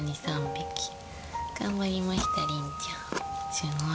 すごいね。